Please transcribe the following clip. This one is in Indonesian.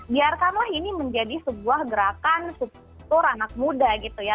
biarkanlah ini menjadi sebuah gerakan struktur anak muda gitu ya